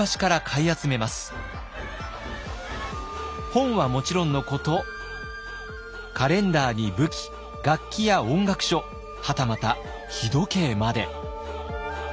本はもちろんのことカレンダーに武器楽器や音楽書はたまた日時計まで。